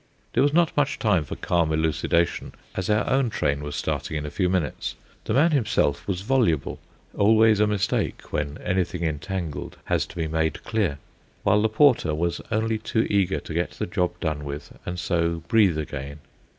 There was not much time for calm elucidation, as our own train was starting in a few minutes. The man himself was voluble always a mistake when anything entangled has to be made clear; while the porter was only too eager to get the job done with and so breathe again.